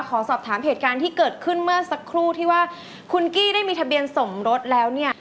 ขอสอบถามเหตุการณ์ที่เกิดขึ้นเมื่อสักครู่ที่ว่าคุณกี้ได้มีทะเบียนสมรสแล้วเนี่ย